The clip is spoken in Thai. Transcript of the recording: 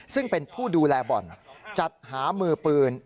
ซึ่งเป็นผู้ดูแลบ่อนจัดหามือปืน